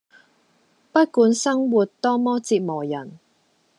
不管生活多麼折磨人